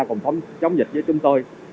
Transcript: phòng chống dịch với chúng tôi